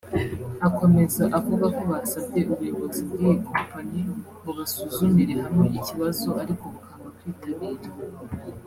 Akomeza avuga ko basabye ubuyobozi bw’iyi kompanyi ngo basuzumire hamwe ikibazo ariko bukanga kwitabira